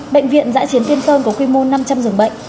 bệnh viện giã chiến tiên sơn có quy mô năm trăm linh giường bệnh